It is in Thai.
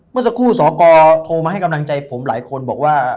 เมื่อสักครู่สกโทรมาให้กำลังใจผมหลายคนบอกว่า